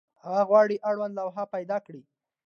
هغه غواړي اړوند لوحه پیدا کړي.